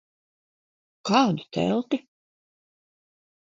Kādu telti?